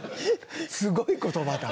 すごい言葉だ。